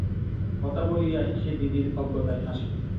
-কথা বলিয়াই সে দিদির অজ্ঞতায় হাসে।